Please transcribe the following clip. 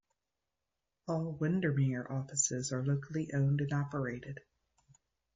All Windermere offices are locally owned and operated.